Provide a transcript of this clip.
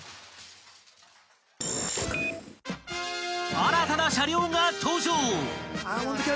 ［新たな車両が登場］